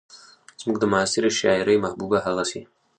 زموږ د معاصرې شاعرۍ محبوبه هغسې